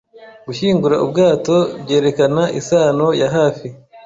gushyingura ubwato byerekana isano ya hafi